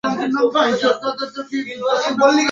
এখানেই থাকার কথা ডানদিকে।